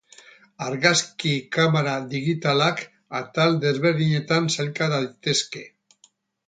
Argazki kamera digitalak atal desberdinetan sailka daitezke.